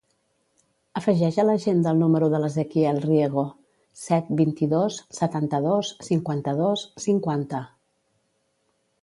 Afegeix a l'agenda el número de l'Ezequiel Riego: set, vint-i-dos, setanta-dos, cinquanta-dos, cinquanta.